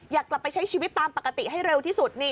อยากกลับไปใช้ชีวิตตามปกติให้เร็วที่สุด